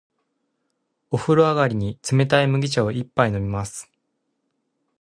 お風呂上がりに、冷たい麦茶を一杯飲みます。